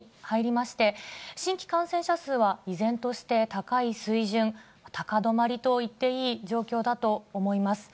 ８月も３週目に入りまして、新規感染者数は依然として高い水準、高止まりと言っていい状況だと思います。